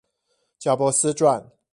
賈伯斯傳